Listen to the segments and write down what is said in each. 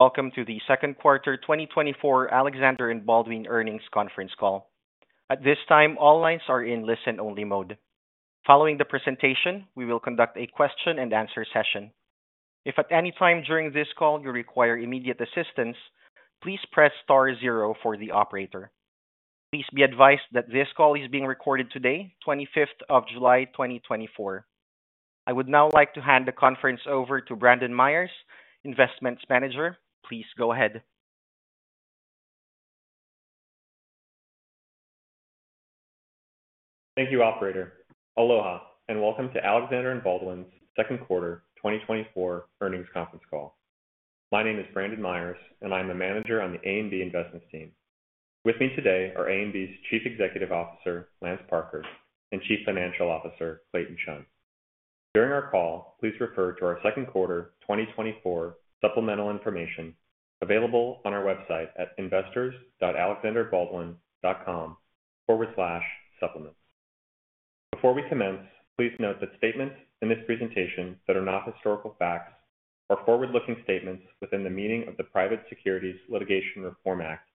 Welcome to the second quarter 2024 Alexander & Baldwin earnings conference call. At this time, all lines are in listen-only mode. Following the presentation, we will conduct a question-and-answer session. If at any time during this call you require immediate assistance, please press star zero for the operator. Please be advised that this call is being recorded today, 25th of July 2024. I would now like to hand the conference over to Brandon Myers, Investments Manager. Please go ahead. Thank you, Operator. Aloha, and welcome to Alexander & Baldwin's second quarter 2024 earnings conference call. My name is Brandon Myers, and I am a manager on the A&B Investments team. With me today are A&B's Chief Executive Officer, Lance Parker, and Chief Financial Officer, Clayton Chun. During our call, please refer to our second quarter 2024 supplemental information available on our website at investors.alexanderandbaldwin.com/supplements. Before we commence, please note that statements in this presentation that are not historical facts are forward-looking statements within the meaning of the Private Securities Litigation Reform Act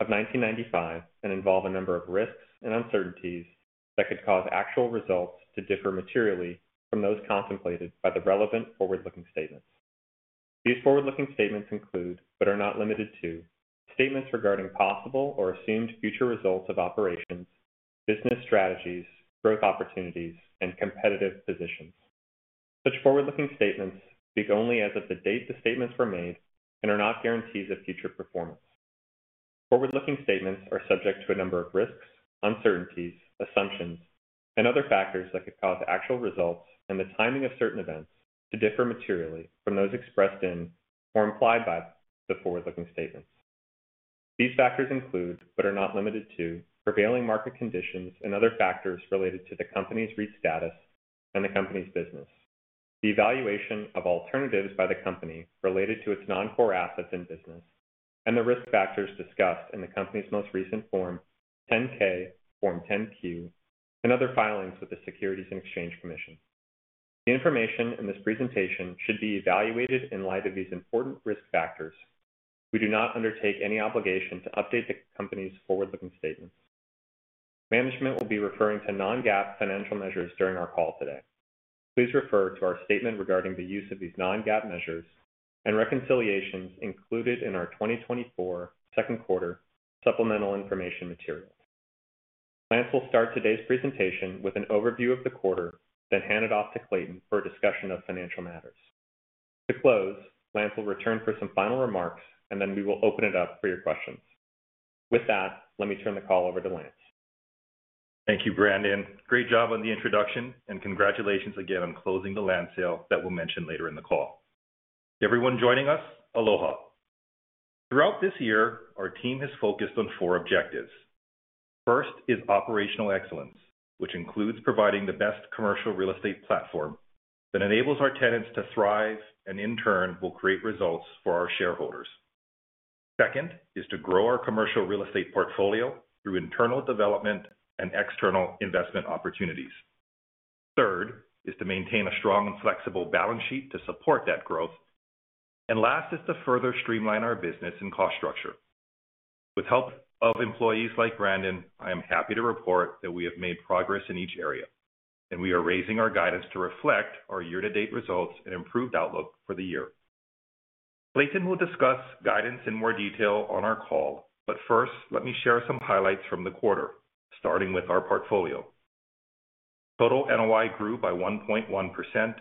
of 1995 and involve a number of risks and uncertainties that could cause actual results to differ materially from those contemplated by the relevant forward-looking statements. These forward-looking statements include, but are not limited to, statements regarding possible or assumed future results of operations, business strategies, growth opportunities, and competitive positions. Such forward-looking statements speak only as of the date the statements were made and are not guarantees of future performance. Forward-looking statements are subject to a number of risks, uncertainties, assumptions, and other factors that could cause actual results and the timing of certain events to differ materially from those expressed in or implied by the forward-looking statements. These factors include, but are not limited to, prevailing market conditions and other factors related to the company's REIT status and the company's business, the evaluation of alternatives by the company related to its non-core assets and business, and the risk factors discussed in the company's most recent Form 10-K, Form 10-Q, and other filings with the Securities and Exchange Commission. The information in this presentation should be evaluated in light of these important risk factors. We do not undertake any obligation to update the company's forward-looking statements. Management will be referring to non-GAAP financial measures during our call today. Please refer to our statement regarding the use of these non-GAAP measures and reconciliations included in our 2024 second quarter supplemental information material. Lance will start today's presentation with an overview of the quarter, then hand it off to Clayton for a discussion of financial matters. To close, Lance will return for some final remarks, and then we will open it up for your questions. With that, let me turn the call over to Lance. Thank you, Brandon. Great job on the introduction, and congratulations again on closing the land sale that we'll mention later in the call. To everyone joining us, Aloha. Throughout this year, our team has focused on four objectives. The first is operational excellence, which includes providing the best commercial real estate platform that enables our tenants to thrive and, in turn, will create results for our shareholders. Second is to grow our commercial real estate portfolio through internal development and external investment opportunities. Third is to maintain a strong and flexible balance sheet to support that growth. And last is to further streamline our business and cost structure. With help of employees like Brandon, I am happy to report that we have made progress in each area, and we are raising our guidance to reflect our year-to-date results and improved outlook for the year. Clayton will discuss guidance in more detail on our call, but first, let me share some highlights from the quarter, starting with our portfolio. Total NOI grew by 1.1%,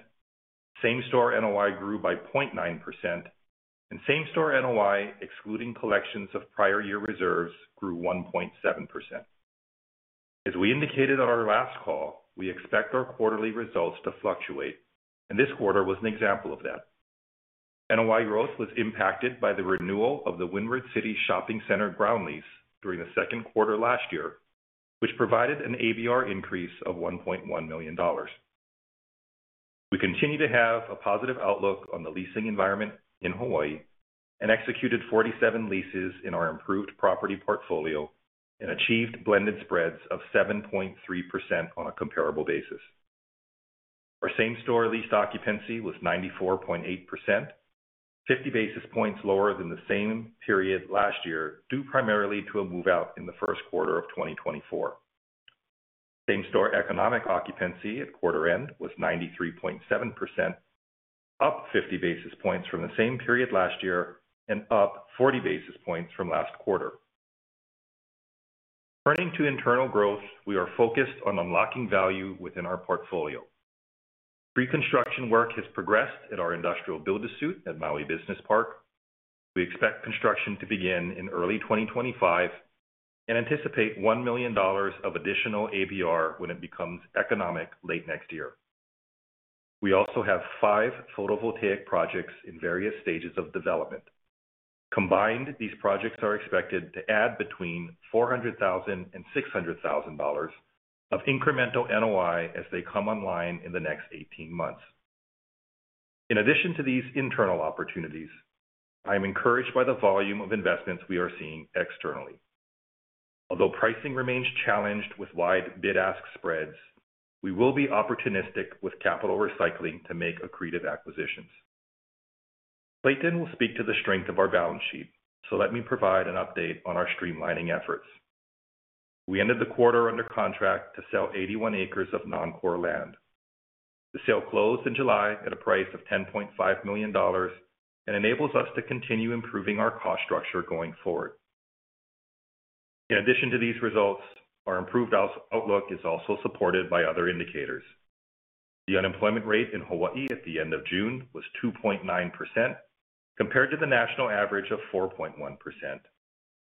same-store NOI grew by 0.9%, and same-store NOI excluding collections of prior year reserves grew 1.7%. As we indicated on our last call, we expect our quarterly results to fluctuate, and this quarter was an example of that. NOI growth was impacted by the renewal of the Windward City Shopping Center ground lease during the second quarter last year, which provided an ABR increase of $1.1 million. We continue to have a positive outlook on the leasing environment in Hawaii and executed 47 leases in our improved property portfolio and achieved blended spreads of 7.3% on a comparable basis. Our same-store leased occupancy was 94.8%, 50 basis points lower than the same period last year, due primarily to a move-out in the first quarter of 2024. Same-store economic occupancy at quarter end was 93.7%, up 50 basis points from the same period last year and up 40 basis points from last quarter. Turning to internal growth, we are focused on unlocking value within our portfolio. Pre-construction work has progressed at our industrial build-to-suit at Maui Business Park. We expect construction to begin in early 2025 and anticipate $1 million of additional ABR when it becomes economic late next year. We also have five photovoltaic projects in various stages of development. Combined, these projects are expected to add between $400,000 and $600,000 of incremental NOI as they come online in the next 18 months. In addition to these internal opportunities, I am encouraged by the volume of investments we are seeing externally. Although pricing remains challenged with wide bid-ask spreads, we will be opportunistic with capital recycling to make accretive acquisitions. Clayton will speak to the strength of our balance sheet, so let me provide an update on our streamlining efforts. We ended the quarter under contract to sell 81 acres of non-core land. The sale closed in July at a price of $10.5 million and enables us to continue improving our cost structure going forward. In addition to these results, our improved outlook is also supported by other indicators. The unemployment rate in Hawaii at the end of June was 2.9% compared to the national average of 4.1%.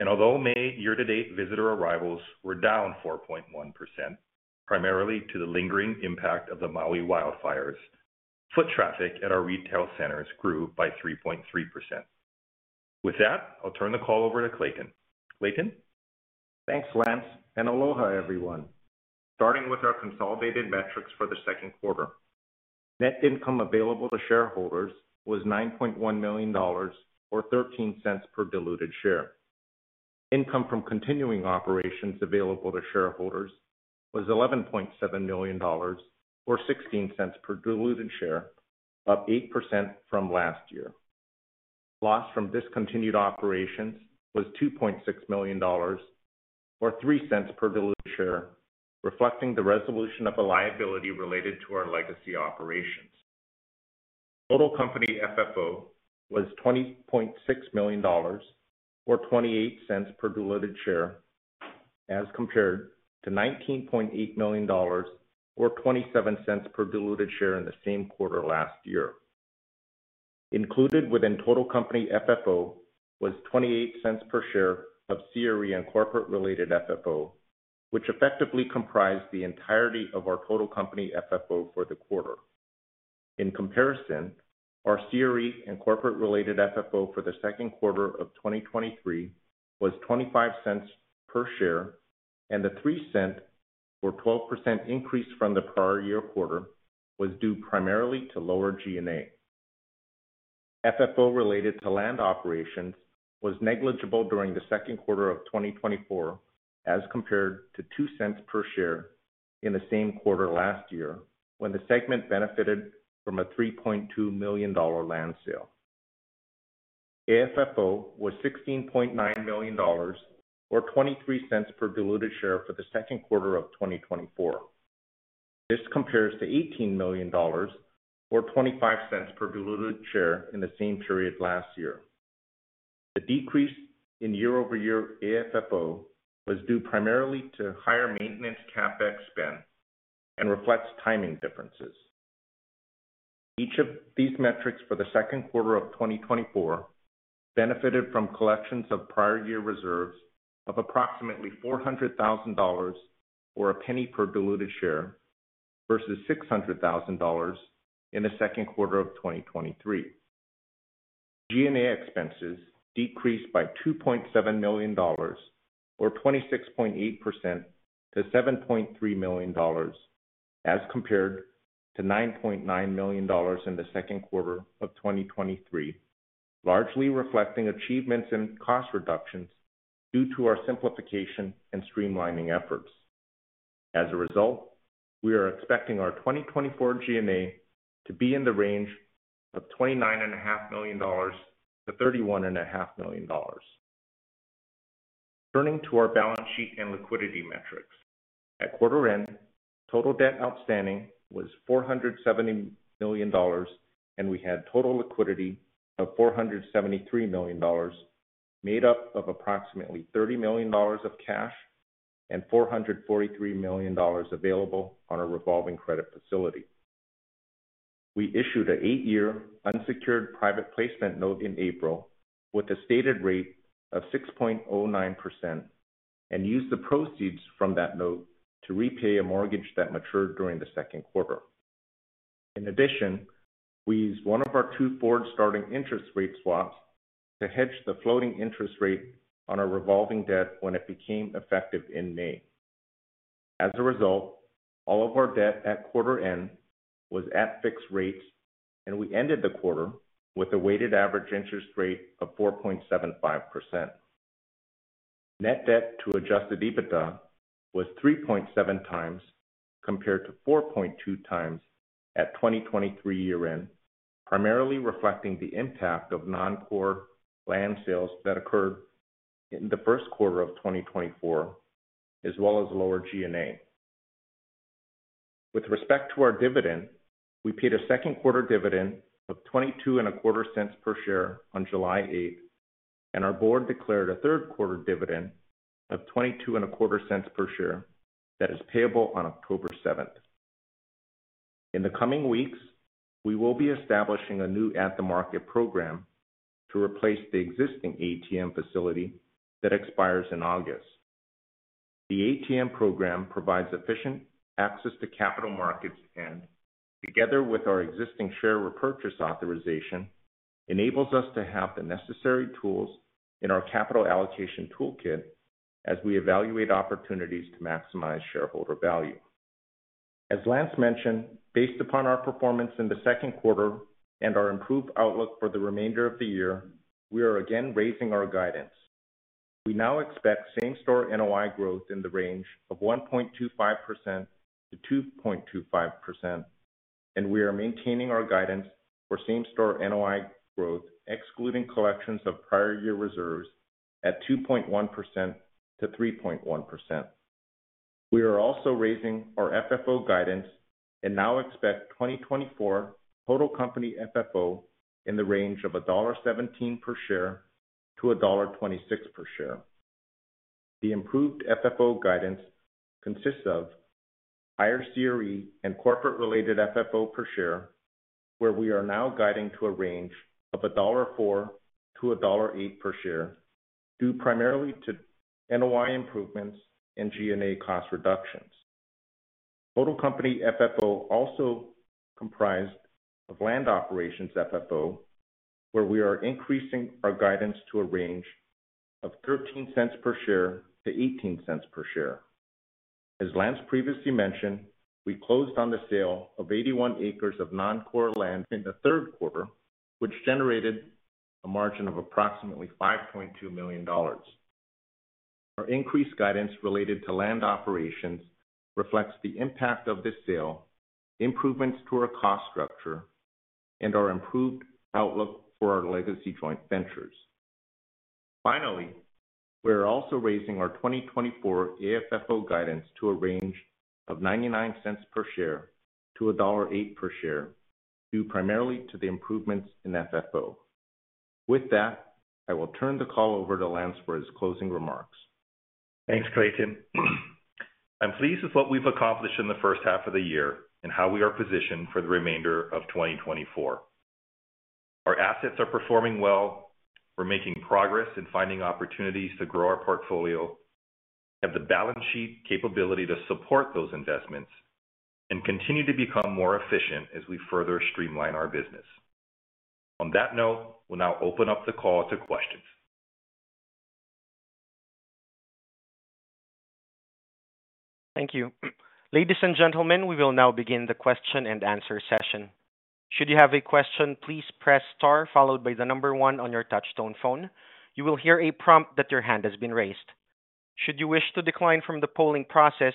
Although May year-to-date visitor arrivals were down 4.1%, primarily to the lingering impact of the Maui wildfires, foot traffic at our retail centers grew by 3.3%. With that, I'll turn the call over to Clayton. Clayton? Thanks, Lance. And aloha, everyone. Starting with our consolidated metrics for the second quarter. Net income available to shareholders was $9.1 million or $0.13 per diluted share. Income from continuing operations available to shareholders was $11.7 million or $0.16 per diluted share, up 8% from last year. Loss from discontinued operations was $2.6 million or $0.03 per diluted share, reflecting the resolution of a liability related to our legacy operations. Total company FFO was $20.6 million or $0.28 per diluted share, as compared to $19.8 million or $0.27 per diluted share in the same quarter last year. Included within total company FFO was $0.28 per share of CRE and corporate-related FFO, which effectively comprised the entirety of our total company FFO for the quarter. In comparison, our CRE and corporate-related FFO for the second quarter of 2023 was $0.25 per share, and the $0.03 or 12% increase from the prior year quarter was due primarily to lower G&A. FFO related to land operations was negligible during the second quarter of 2024, as compared to $0.02 per share in the same quarter last year, when the segment benefited from a $3.2 million land sale. AFFO was $16.9 million or $0.23 per diluted share for the second quarter of 2024. This compares to $18 million or $0.25 per diluted share in the same period last year. The decrease in year-over-year AFFO was due primarily to higher maintenance Capex spend and reflects timing differences. Each of these metrics for the second quarter of 2024 benefited from collections of prior year reserves of approximately $400,000 or $0.01 per diluted share versus $600,000 in the second quarter of 2023. G&A expenses decreased by $2.7 million or 26.8% to $7.3 million, as compared to $9.9 million in the second quarter of 2023, largely reflecting achievements in cost reductions due to our simplification and streamlining efforts. As a result, we are expecting our 2024 G&A to be in the range of $29.5 million-$31.5 million. Turning to our balance sheet and liquidity metrics. At quarter end, total debt outstanding was $470 million, and we had total liquidity of $473 million, made up of approximately $30 million of cash and $443 million available on a revolving credit facility. We issued an 8-year unsecured private placement note in April with a stated rate of 6.09% and used the proceeds from that note to repay a mortgage that matured during the second quarter. In addition, we used one of our two forward-starting interest rate swaps to hedge the floating interest rate on our revolving debt when it became effective in May. As a result, all of our debt at quarter end was at fixed rates, and we ended the quarter with a weighted average interest rate of 4.75%. Net debt to Adjusted EBITDA was 3.7x compared to 4.2x at 2023 year-end, primarily reflecting the impact of non-core land sales that occurred in the first quarter of 2024, as well as lower G&A. With respect to our dividend, we paid a second quarter dividend of $0.2225 per share on July 8, and our board declared a third quarter dividend of $0.2225 per share that is payable on October 7. In the coming weeks, we will be establishing a new at-the-market program to replace the existing ATM facility that expires in August. The ATM program provides efficient access to capital markets and, together with our existing share repurchase authorization, enables us to have the necessary tools in our capital allocation toolkit as we evaluate opportunities to maximize shareholder value. As Lance mentioned, based upon our performance in the second quarter and our improved outlook for the remainder of the year, we are again raising our guidance. We now expect same-store NOI growth in the range of 1.25%-2.25%, and we are maintaining our guidance for same-store NOI growth, excluding collections of prior year reserves, at 2.1%-3.1%. We are also raising our FFO guidance and now expect 2024 total company FFO in the range of $1.17 per share to $1.26 per share. The improved FFO guidance consists of higher CRE and corporate-related FFO per share, where we are now guiding to a range of $1.04 to $1.08 per share, due primarily to NOI improvements and G&A cost reductions. Total company FFO also comprised of land operations FFO, where we are increasing our guidance to a range of $0.13-$0.18 per share. As Lance previously mentioned, we closed on the sale of 81 acres of non-core land in the third quarter, which generated a margin of approximately $5.2 million. Our increased guidance related to land operations reflects the impact of this sale, improvements to our cost structure, and our improved outlook for our legacy joint ventures. Finally, we are also raising our 2024 AFFO guidance to a range of $0.99-$1.08 per share, due primarily to the improvements in FFO. With that, I will turn the call over to Lance for his closing remarks. Thanks, Clayton. I'm pleased with what we've accomplished in the first half of the year and how we are positioned for the remainder of 2024. Our assets are performing well. We're making progress in finding opportunities to grow our portfolio, have the balance sheet capability to support those investments, and continue to become more efficient as we further streamline our business. On that note, we'll now open up the call to questions. Thank you. Ladies and gentlemen, we will now begin the question and answer session. Should you have a question, please press star followed by the number one on your touch-tone phone. You will hear a prompt that your hand has been raised. Should you wish to decline from the polling process,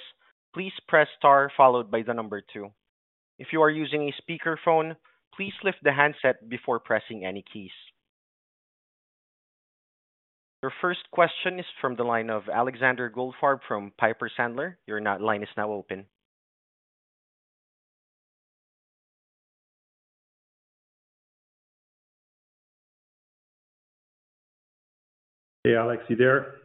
please press star followed by the number two. If you are using a speakerphone, please lift the handset before pressing any keys. Your first question is from the line of Alexander Goldfarb from Piper Sandler. Your line is now open. Hey, Alex, you there?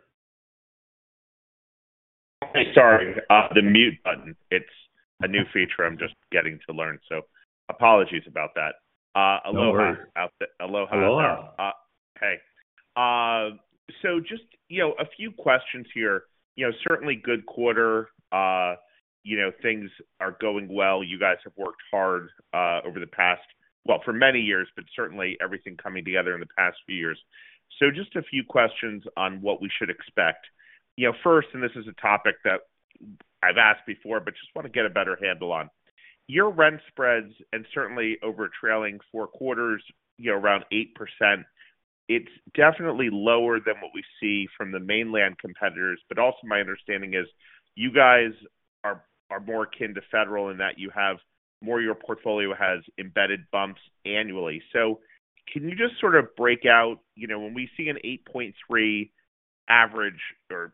Hey, sorry. The mute button. It's a new feature I'm just getting to learn, so apologies about that. No worries. Aloha. Aloha. Hey. So just a few questions here. Certainly good quarter. Things are going well. You guys have worked hard over the past, well, for many years, but certainly everything coming together in the past few years. So just a few questions on what we should expect. First, and this is a topic that I've asked before, but just want to get a better handle on. Your rent spreads, and certainly over trailing four quarters, around 8%, it's definitely lower than what we see from the mainland competitors. But also, my understanding is you guys are more akin to federal in that you have more your portfolio has embedded bumps annually. So can you just sort of break out when we see an 8.3 average or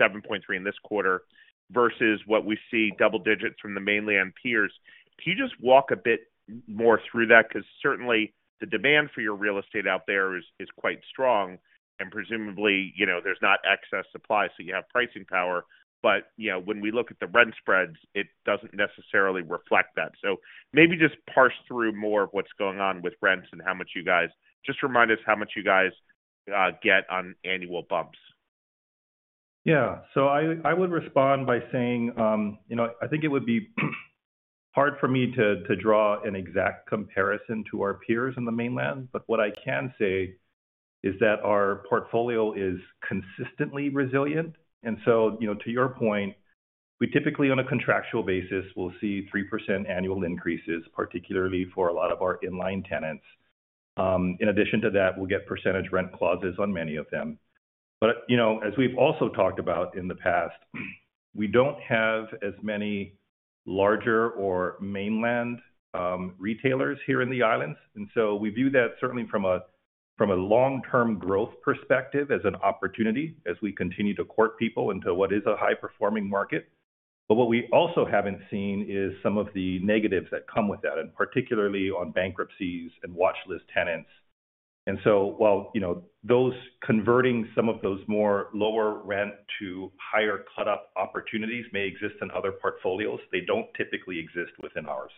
7.3 in this quarter versus what we see double digits from the mainland peers? Can you just walk a bit more through that? Because certainly the demand for your real estate out there is quite strong, and presumably there's not excess supply, so you have pricing power. But when we look at the rent spreads, it doesn't necessarily reflect that. So maybe just parse through more of what's going on with rents and how much you guys. Just remind us how much you guys get on annual bumps. Yeah. So I would respond by saying I think it would be hard for me to draw an exact comparison to our peers in the mainland, but what I can say is that our portfolio is consistently resilient. And so to your point, we typically, on a contractual basis, will see 3% annual increases, particularly for a lot of our inline tenants. In addition to that, we'll get percentage rent clauses on many of them. But as we've also talked about in the past, we don't have as many larger or mainland retailers here in the islands. And so we view that certainly from a long-term growth perspective as an opportunity as we continue to court people into what is a high-performing market. But what we also haven't seen is some of the negatives that come with that, and particularly on bankruptcies and watchlist tenants. And so while those converting some of those more lower rent to higher cut-up opportunities may exist in other portfolios, they don't typically exist within ours.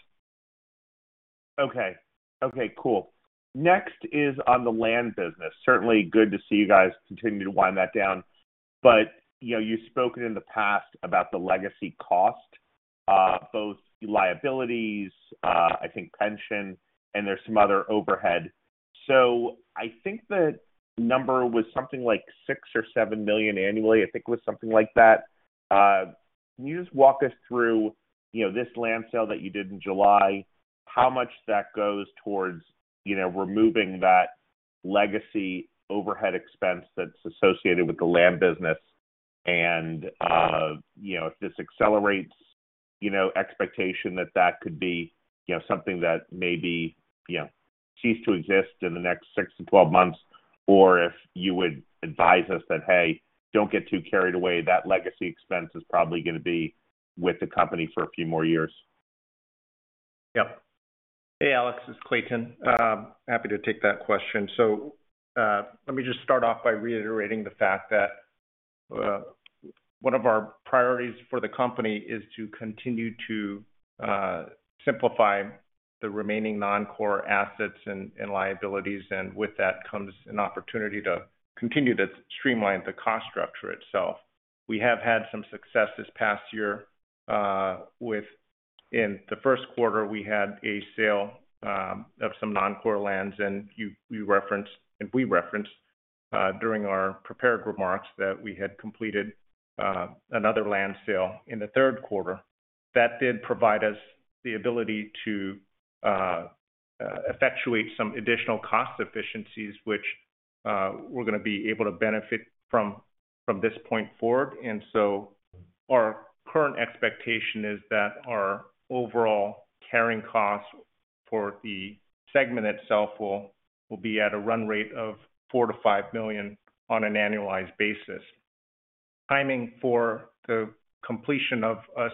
Okay. Okay. Cool. Next is on the land business. Certainly good to see you guys continue to wind that down. But you've spoken in the past about the legacy cost, both liabilities, I think pension, and there's some other overhead. So I think the number was something like $6 million or $7 million annually. I think it was something like that. Can you just walk us through this land sale that you did in July, how much that goes towards removing that legacy overhead expense that's associated with the land business? And if this accelerates expectation that that could be something that maybe cease to exist in the next six to 12 months, or if you would advise us that, "Hey, don't get too carried away, that legacy expense is probably going to be with the company for a few more years." Yeah. Hey, Alex. This is Clayton. Happy to take that question. So let me just start off by reiterating the fact that one of our priorities for the company is to continue to simplify the remaining non-core assets and liabilities, and with that comes an opportunity to continue to streamline the cost structure itself. We have had some success this past year with, in the first quarter, we had a sale of some non-core lands, and we referenced during our prepared remarks that we had completed another land sale in the third quarter. That did provide us the ability to effectuate some additional cost efficiencies, which we're going to be able to benefit from this point forward. And so our current expectation is that our overall carrying cost for the segment itself will be at a run rate of $4 million-$5 million on an annualized basis. Timing for the completion of us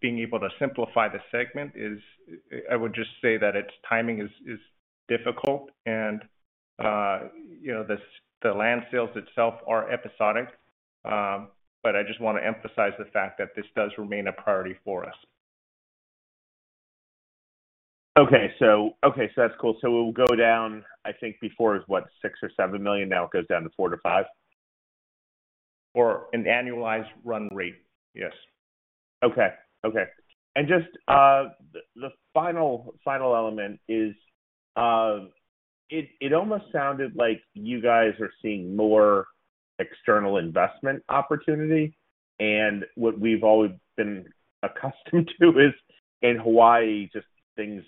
being able to simplify the segment is, I would just say that its timing is difficult, and the land sales itself are episodic. But I just want to emphasize the fact that this does remain a priority for us. Okay. Okay. So that's cool. So we'll go down, I think before it was, what, $6 million or $7 million? Now it goes down to $4 million to 5 million? For an annualized run rate. Yes. Okay. Okay. Just the final element is it almost sounded like you guys are seeing more external investment opportunity. What we've always been accustomed to is in Hawaii, just things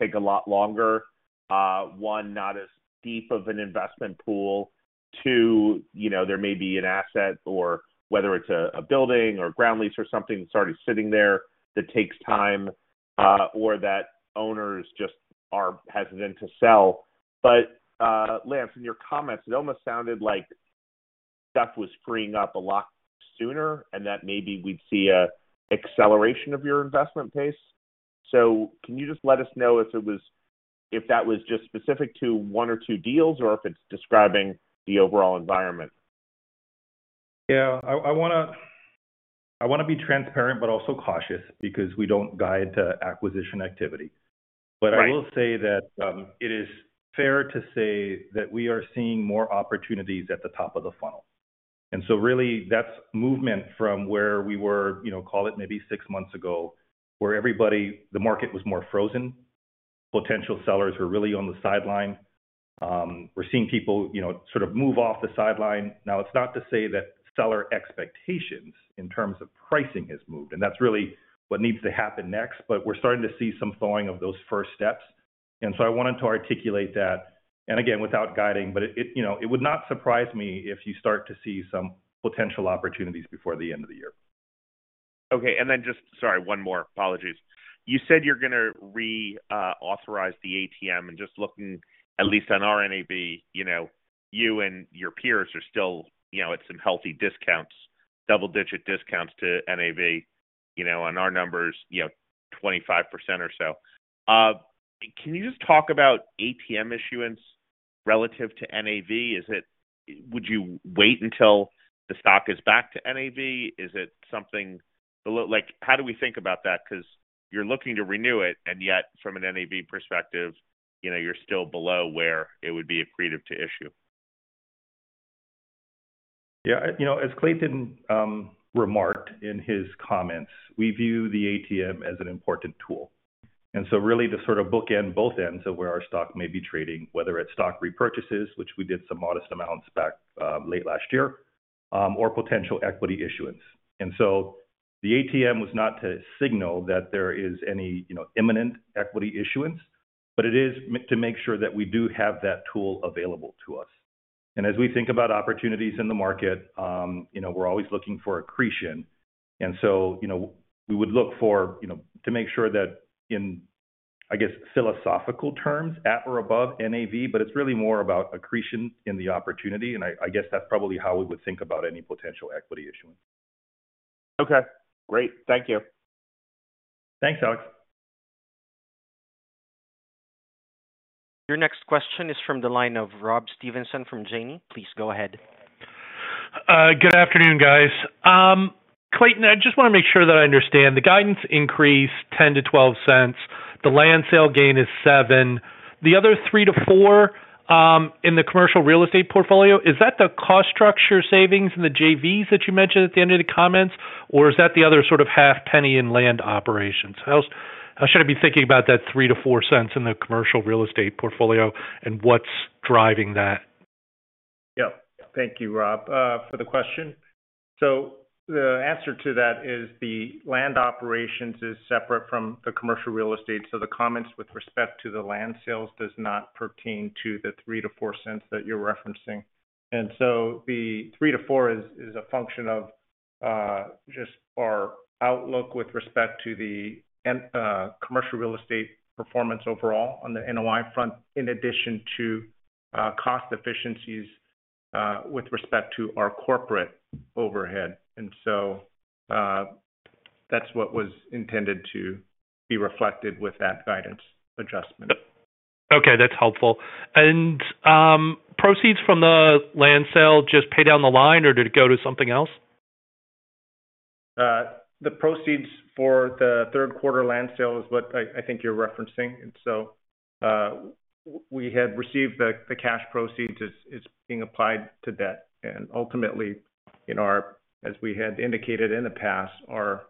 take a lot longer. One, not as deep of an investment pool. Two, there may be an asset, whether it's a building or ground lease or something that's already sitting there that takes time, or that owners just are hesitant to sell. But Lance, in your comments, it almost sounded like stuff was freeing up a lot sooner, and that maybe we'd see an acceleration of your investment pace. So can you just let us know if that was just specific to one or two deals or if it's describing the overall environment? Yeah. I want to be transparent but also cautious because we don't guide to acquisition activity. But I will say that it is fair to say that we are seeing more opportunities at the top of the funnel. And so really, that's movement from where we were, call it maybe six months ago, where the market was more frozen. Potential sellers were really on the sideline. We're seeing people sort of move off the sideline. Now, it's not to say that seller expectations in terms of pricing have moved, and that's really what needs to happen next, but we're starting to see some thawing of those first steps. And so I wanted to articulate that. And again, without guiding, but it would not surprise me if you start to see some potential opportunities before the end of the year. Okay. And then just, sorry, one more. Apologies. You said you're going to re-authorize the ATM, and just looking, at least on our NAV, you and your peers are still at some healthy discounts, double-digit discounts to NAV, on our numbers, 25% or so. Can you just talk about ATM issuance relative to NAV? Would you wait until the stock is back to NAV? Is it something—how do we think about that? Because you're looking to renew it, and yet from a NAV perspective, you're still below where it would be accretive to issue. Yeah. As Clayton remarked in his comments, we view the ATM as an important tool. And so really to sort of bookend both ends of where our stock may be trading, whether it's stock repurchases, which we did some modest amounts back late last year, or potential equity issuance. And so the ATM was not to signal that there is any imminent equity issuance, but it is to make sure that we do have that tool available to us. And as we think about opportunities in the market, we're always looking for accretion. And so we would look to make sure that in, I guess, philosophical terms, at or above NAV, but it's really more about accretion in the opportunity. And I guess that's probably how we would think about any potential equity issuance. Okay. Great. Thank you. Thanks, Alex. Your next question is from the line of Rob Stevenson from Janney. Please go ahead. Good afternoon, guys. Clayton, I just want to make sure that I understand. The guidance increased $0.10-$0.12. The land sale gain is $0.07. The other $0.03-$0.04 in the commercial real estate portfolio, is that the cost structure savings in the JVs that you mentioned at the end of the comments, or is that the other sort of half penny in land operations? How should I be thinking about that $0.03-$0.04 in the commercial real estate portfolio, and what's driving that? Yeah. Thank you, Rob, for the question. So the answer to that is the land operations is separate from the commercial real estate. So the comments with respect to the land sales does not pertain to the $0.03-$0.04 that you're referencing. And so the $0.03-$0.04 is a function of just our outlook with respect to the commercial real estate performance overall on the NOI front, in addition to cost efficiencies with respect to our corporate overhead. And so that's what was intended to be reflected with that guidance adjustment. Okay. That's helpful. Proceeds from the land sale just pay down the line, or did it go to something else? The proceeds for the third quarter land sale is what I think you're referencing. So we had received the cash proceeds. It's being applied to that. Ultimately, as we had indicated in the past, our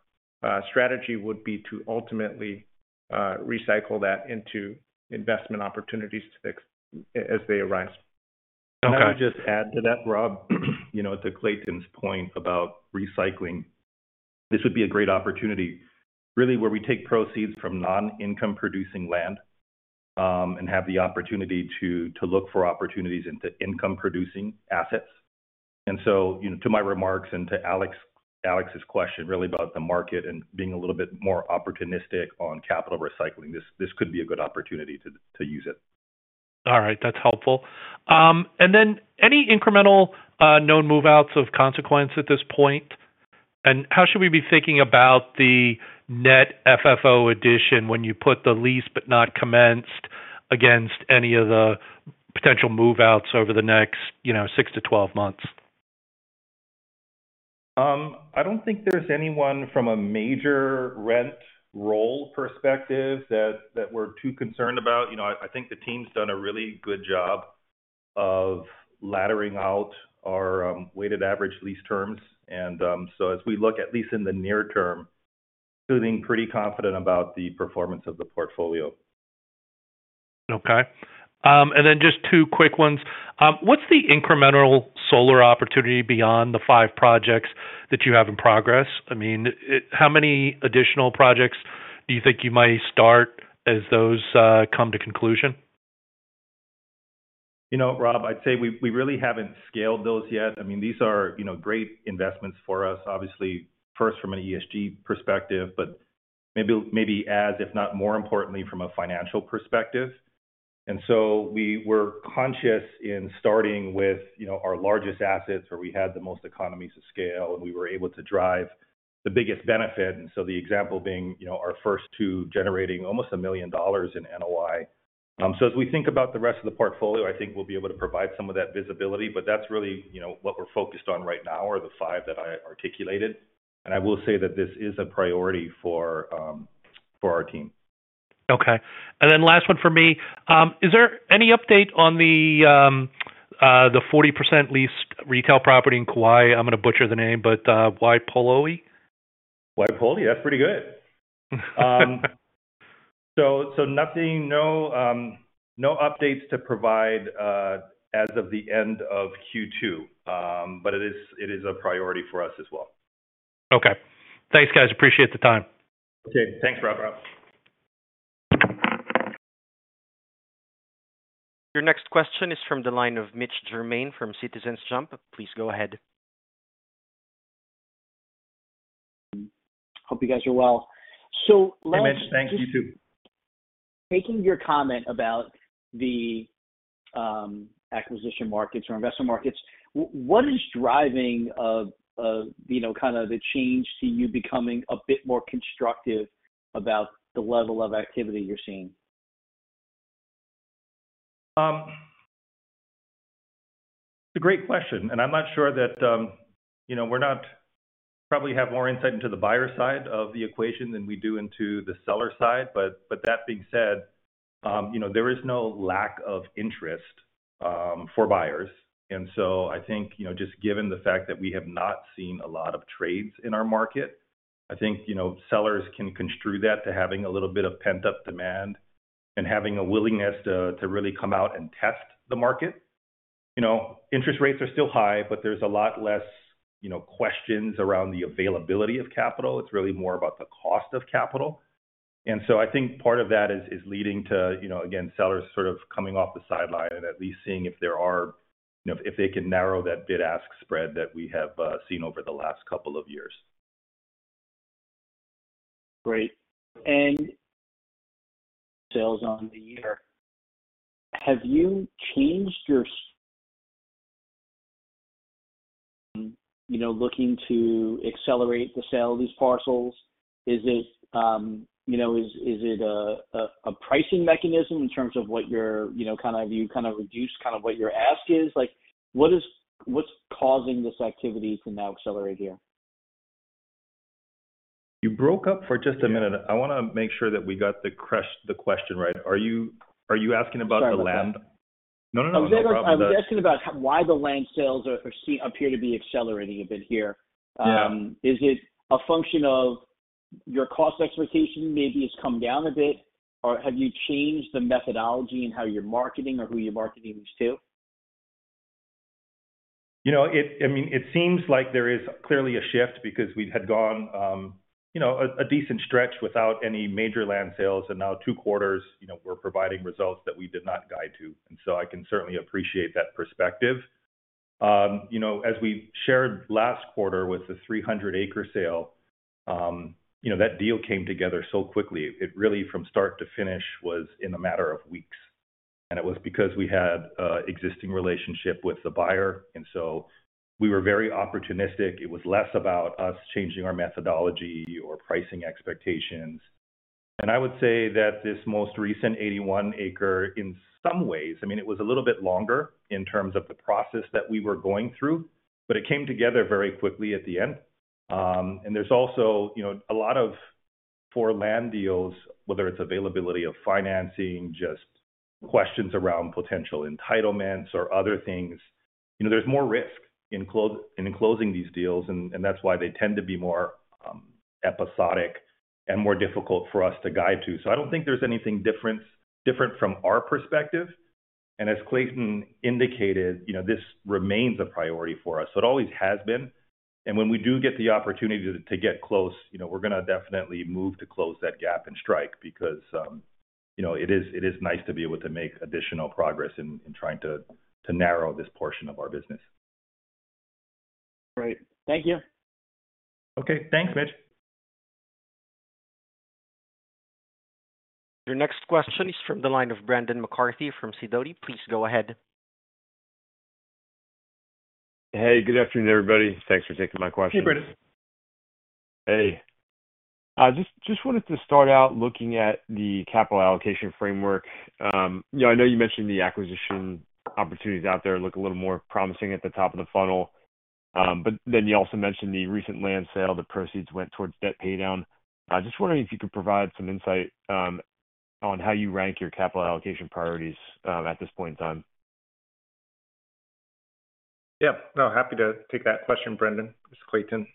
strategy would be to ultimately recycle that into investment opportunities as they arise. I would just add to that, Rob, to Clayton's point about recycling, this would be a great opportunity really where we take proceeds from non-income-producing land and have the opportunity to look for opportunities into income-producing assets. So to my remarks and to Alex's question really about the market and being a little bit more opportunistic on capital recycling, this could be a good opportunity to use it. All right. That's helpful. And then any incremental known move-outs of consequence at this point? And how should we be thinking about the net FFO addition when you put the lease but not commenced against any of the potential move-outs over the next 6-12 months? I don't think there's anyone from a major rent roll perspective that we're too concerned about. I think the team's done a really good job of laddering out our weighted average lease terms. And so as we look, at least in the near term, we're feeling pretty confident about the performance of the portfolio. Okay. And then just two quick ones. What's the incremental solar opportunity beyond the five projects that you have in progress? I mean, how many additional projects do you think you might start as those come to conclusion? You know, Rob, I'd say we really haven't scaled those yet. I mean, these are great investments for us, obviously, first from an ESG perspective, but maybe as, if not more importantly, from a financial perspective. And so we were conscious in starting with our largest assets where we had the most economies of scale, and we were able to drive the biggest benefit. And so the example being our first two generating almost $1 million in NOI. So as we think about the rest of the portfolio, I think we'll be able to provide some of that visibility. But that's really what we're focused on right now are the five that I articulated. And I will say that this is a priority for our team. Okay. And then last one for me. Is there any update on the 40% leased retail property in Kauai? I'm going to butcher the name, but Waipouli? Waipouli. That's pretty good. So no updates to provide as of the end of Q2, but it is a priority for us as well. Okay. Thanks, guys. Appreciate the time. Okay. Thanks, Rob. Your next question is from the line of Mitch Germain from Citizens JMP. Please go ahead. Hope you guys are well. So. Hey, Mitch. Thanks. You too. Taking your comment about the acquisition markets or investment markets, what is driving kind of the change to you becoming a bit more constructive about the level of activity you're seeing? It's a great question. I'm not sure that we probably have more insight into the buyer side of the equation than we do into the seller side. That being said, there is no lack of interest for buyers. I think just given the fact that we have not seen a lot of trades in our market, I think sellers can construe that to having a little bit of pent-up demand and having a willingness to really come out and test the market. Interest rates are still high, but there's a lot less questions around the availability of capital. It's really more about the cost of capital. And so I think part of that is leading to, again, sellers sort of coming off the sidelines and at least seeing if they can narrow that bid-ask spread that we have seen over the last couple of years. Great. Sales on the year, have you changed your outlook to accelerate the sale of these parcels? Is it a pricing mechanism in terms of have you kind of reduced what your ask is? What's causing this activity to now accelerate here? You broke up for just a minute. I want to make sure that we got the question right. Are you asking about the land? Sorry. No, no, no. I'm sorry. I was asking about why the land sales appear to be accelerating a bit here. Is it a function of your cost expectation? Maybe it's come down a bit, or have you changed the methodology in how you're marketing or who you're marketing these to? I mean, it seems like there is clearly a shift because we had gone a decent stretch without any major land sales, and now two quarters we're providing results that we did not guide to. And so I can certainly appreciate that perspective. As we shared last quarter with the 300-acre sale, that deal came together so quickly. It really, from start to finish, was in a matter of weeks. And it was because we had an existing relationship with the buyer. And so we were very opportunistic. It was less about us changing our methodology or pricing expectations. And I would say that this most recent 81-acre, in some ways, I mean, it was a little bit longer in terms of the process that we were going through, but it came together very quickly at the end. There's also a lot of, for land deals, whether it's availability of financing, just questions around potential entitlements or other things, there's more risk in closing these deals, and that's why they tend to be more episodic and more difficult for us to guide to. I don't think there's anything different from our perspective. As Clayton indicated, this remains a priority for us. It always has been. When we do get the opportunity to get close, we're going to definitely move to close that gap and strike because it is nice to be able to make additional progress in trying to narrow this portion of our business. Great. Thank you. Okay. Thanks, Mitch. Your next question is from the line of Brendan McCarthy from Sidoti. Please go ahead. Hey, good afternoon, everybody. Thanks for taking my question. Hey, Brandon. Hey. Just wanted to start out looking at the capital allocation framework. I know you mentioned the acquisition opportunities out there look a little more promising at the top of the funnel. But then you also mentioned the recent land sale that proceeds went towards debt paydown. Just wondering if you could provide some insight on how you rank your capital allocation priorities at this point in time? Yeah. No, happy to take that question, Brandon. This is Clayton.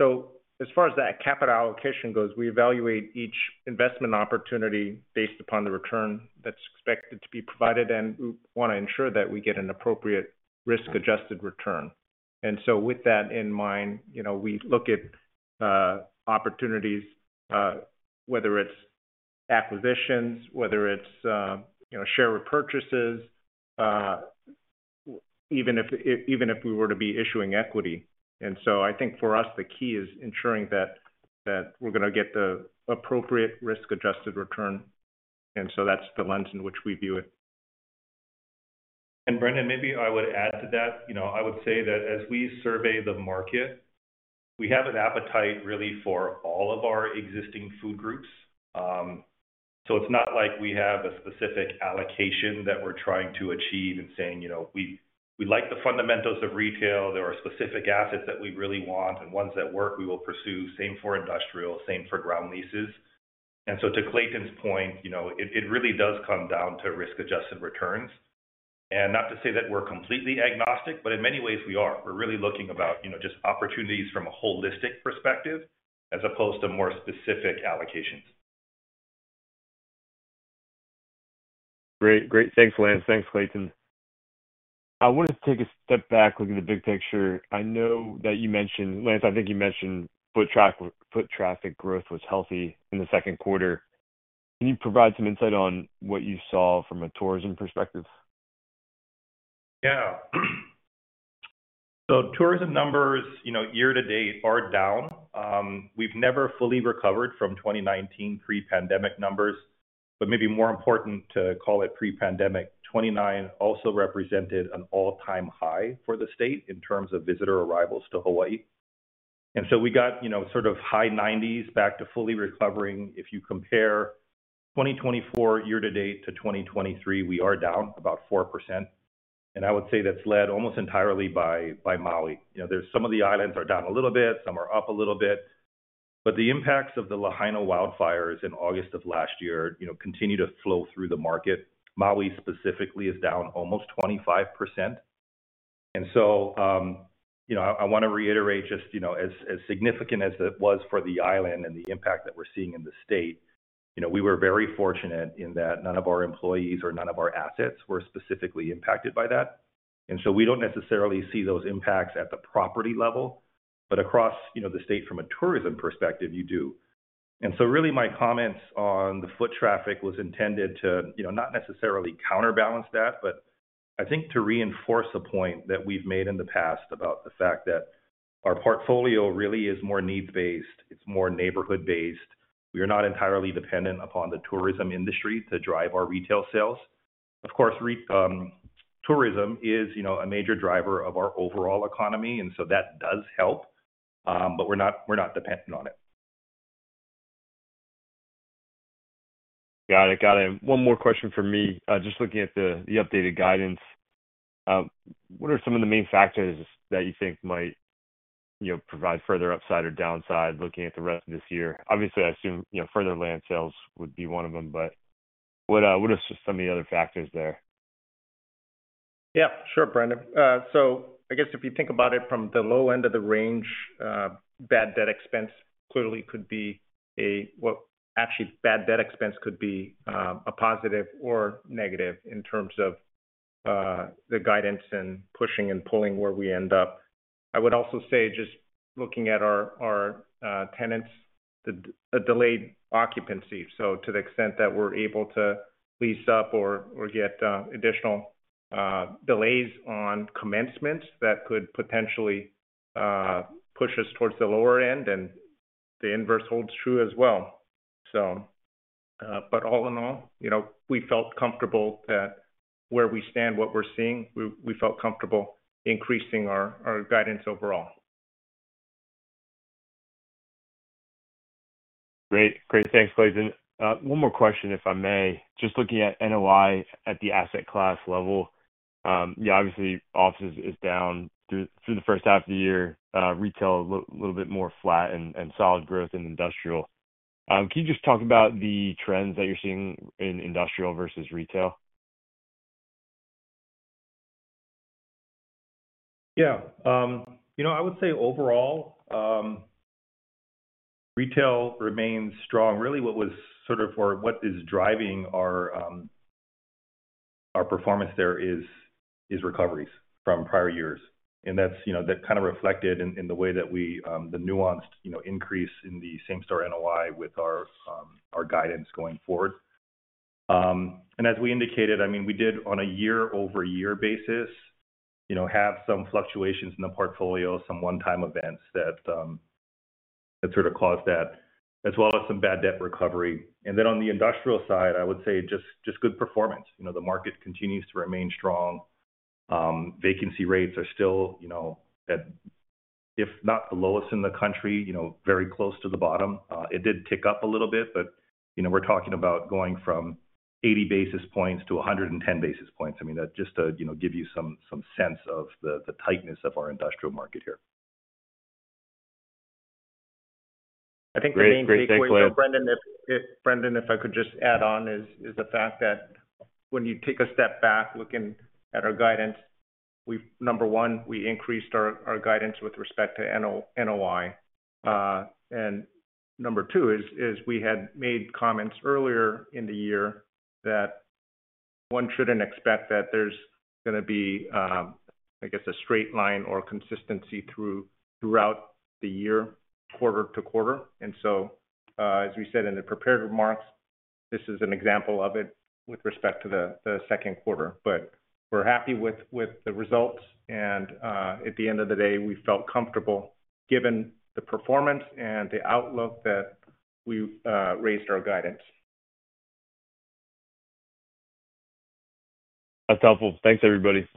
So as far as that capital allocation goes, we evaluate each investment opportunity based upon the return that's expected to be provided, and we want to ensure that we get an appropriate risk-adjusted return. And so with that in mind, we look at opportunities, whether it's acquisitions, whether it's share repurchases, even if we were to be issuing equity. And so I think for us, the key is ensuring that we're going to get the appropriate risk-adjusted return. And so that's the lens in which we view it. And Brandon, maybe I would add to that. I would say that as we survey the market, we have an appetite really for all of our existing food groups. So it's not like we have a specific allocation that we're trying to achieve and saying, "We like the fundamentals of retail. There are specific assets that we really want and ones that work we will pursue." Same for industrial, same for ground leases. And so to Clayton's point, it really does come down to risk-adjusted returns. And not to say that we're completely agnostic, but in many ways, we are. We're really looking about just opportunities from a holistic perspective as opposed to more specific allocations. Great. Great. Thanks, Lance. Thanks, Clayton. I wanted to take a step back, look at the big picture. I know that you mentioned Lance, I think you mentioned foot traffic growth was healthy in the second quarter. Can you provide some insight on what you saw from a tourism perspective? Yeah. So tourism numbers year to date are down. We've never fully recovered from 2019 pre-pandemic numbers, but maybe more important, 2019 also represented an all-time high for the state in terms of visitor arrivals to Hawaii. And so we got sort of high 90s back to fully recovering. If you compare 2024 year to date to 2023, we are down about 4%. And I would say that's led almost entirely by Maui. Some of the islands are down a little bit. Some are up a little bit. But the impacts of the Lahaina wildfires in August of last year continue to flow through the market. Maui specifically is down almost 25%. I want to reiterate just as significant as it was for the island and the impact that we're seeing in the state, we were very fortunate in that none of our employees or none of our assets were specifically impacted by that. We don't necessarily see those impacts at the property level, but across the state from a tourism perspective, you do. Really my comments on the foot traffic was intended to not necessarily counterbalance that, but I think to reinforce a point that we've made in the past about the fact that our portfolio really is more needs-based. It's more neighborhood-based. We are not entirely dependent upon the tourism industry to drive our retail sales. Of course, tourism is a major driver of our overall economy, and so that does help, but we're not dependent on it. Got it. Got it. One more question for me. Just looking at the updated guidance, what are some of the main factors that you think might provide further upside or downside looking at the rest of this year? Obviously, I assume further land sales would be one of them, but what are some of the other factors there? Yeah. Sure, Brandon. So I guess if you think about it from the low end of the range, bad debt expense clearly could be actually a positive or negative in terms of the guidance and pushing and pulling where we end up. I would also say just looking at our tenants, a delayed occupancy. So to the extent that we're able to lease up or get additional delays on commencement, that could potentially push us towards the lower end, and the inverse holds true as well. But all in all, we felt comfortable that where we stand, what we're seeing, we felt comfortable increasing our guidance overall. Great. Great. Thanks, Clayton. One more question, if I may. Just looking at NOI at the asset class level, obviously, offices is down through the first half of the year. Retail a little bit more flat and solid growth in industrial. Can you just talk about the trends that you're seeing in industrial versus retail? Yeah. I would say overall, retail remains strong. Really what was sort of or what is driving our performance there is recoveries from prior years. And that's kind of reflected in the way that we the nuanced increase in the same-store NOI with our guidance going forward. And as we indicated, I mean, we did on a year-over-year basis have some fluctuations in the portfolio, some one-time events that sort of caused that, as well as some bad debt recovery. And then on the industrial side, I would say just good performance. The market continues to remain strong. Vacancy rates are still at, if not the lowest in the country, very close to the bottom. It did tick up a little bit, but we're talking about going from 80 basis points to 110 basis points. I mean, that just to give you some sense of the tightness of our industrial market here. I think the main takeaway. Great. Thanks, Clayton. Brandon, if I could just add on is the fact that when you take a step back looking at our guidance, number one, we increased our guidance with respect to NOI. And number two is we had made comments earlier in the year that one shouldn't expect that there's going to be, I guess, a straight line or consistency throughout the year, quarter to quarter. And so as we said in the prepared remarks, this is an example of it with respect to the second quarter. But we're happy with the results. And at the end of the day, we felt comfortable given the performance and the outlook that we raised our guidance. That's helpful. Thanks, everybody.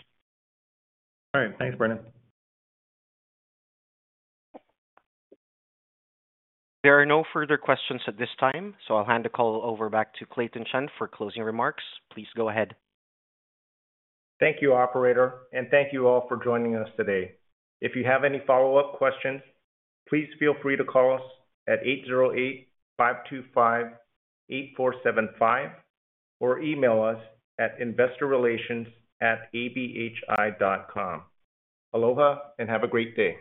All right. Thanks, Brandon. There are no further questions at this time, so I'll hand the call over back to Clayton Chun for closing remarks. Please go ahead. Thank you, operator. Thank you all for joining us today. If you have any follow-up questions, please feel free to call us at 808-525-8475 or email us at investorrelations@abhawaii.com. Aloha and have a great day.